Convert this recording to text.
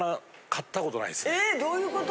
えどういうこと？